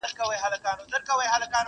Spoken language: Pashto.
• ته پر ګرځه د باران حاجت یې نسته..